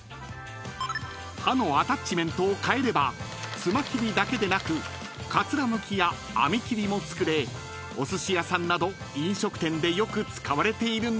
［刃のアタッチメントをかえればつまきりだけでなくかつらむきやあみきりも作れおすし屋さんなど飲食店でよく使われているんだそうです］